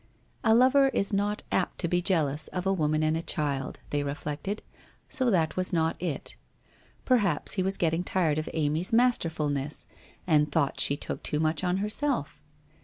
A lover is not apt to be jealous of a woman and a child, they reflected, so that was not it. Perhaps he was getting tired of Amy's masterfulness and thought she took too much on herself